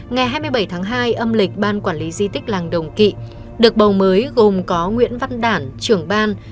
ngày hai mươi bảy tháng hai âm lịch ban quản lý di tích làng đồng kỵ được bầu mới gồm có nguyễn văn đản trưởng ban